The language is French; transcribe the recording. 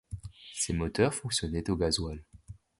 Ces moteurs fonctionnaient au gasoil.